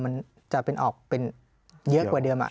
มันจะเป็นออกเป็นเยอะกว่าเดิม